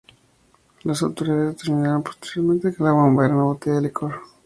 Las autoridades determinaron posteriormente que la "bomba" era una botella de licor.